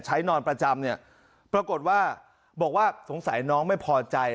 นอนประจำเนี่ยปรากฏว่าบอกว่าสงสัยน้องไม่พอใจ